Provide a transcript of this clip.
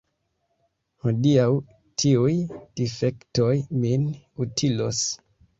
Hodiaŭ tiuj difektoj min utilos.